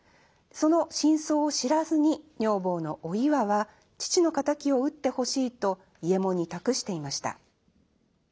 その真相を知らずに女房のお岩は父の敵を討ってほしいと伊右衛門に託していました。